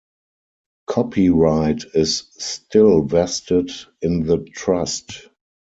Copyright is still vested in the Trust.